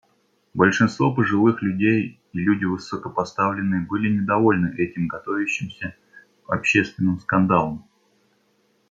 Большинство пожилых людей и люди высокопоставленные были недовольны этим готовящимся общественным скандалом.